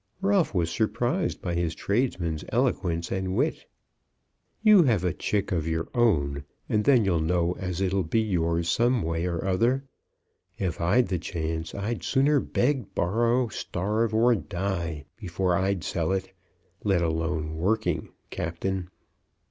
Ralph was surprised by his tradesman's eloquence and wit. "You have a chick of your own, and then you'll know as it'll be yours some way or other. If I'd the chance I'd sooner beg, borrow, starve, or die, before I'd sell it; let alone working, Captain."